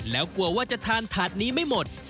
แล้วกลัวว่าจะทานถาดนี้ไม่หมด